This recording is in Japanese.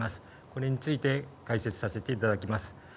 これについて解説させていただきます。